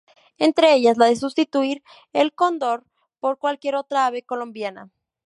Entre ellas la de sustituir el cóndor por cualquier otra ave colombiana.